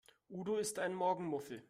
Udo ist ein Morgenmuffel.